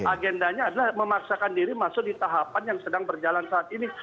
agendanya adalah memaksakan diri masuk di tahapan yang sedang berjalan saat ini